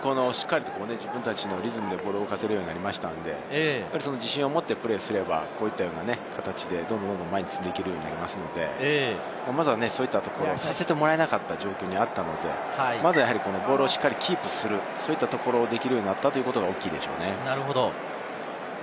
自分たちのリズムでボールを動かせるようになったので、自信を持ってプレーすれば、こういった形でどんどん前に進んでいけるようになりますので、まずはそういったところをさせてもらえなかったので、ボールをしっかりキープする、そういったところをできるようになったということが大きいでしょうね。